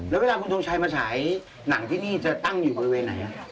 แล้วเวลาคุณทงชัยมาฉายหนังที่นี่จะตั้งอยู่บริเวณไหนครับ